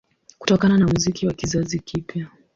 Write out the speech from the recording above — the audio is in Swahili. Kutokana na muziki wa kizazi kipya